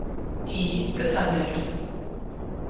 He gesammelt.